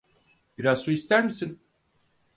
Biraz su ister misin?